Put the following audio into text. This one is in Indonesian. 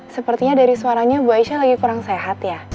sepertinya dari suaranya bu aisyah lagi kurang sehat ya